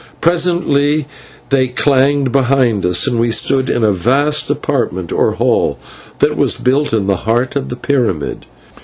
Presently they clanged behind us, and we stood in a vast apartment or hall that was built in the heart of the pyramid.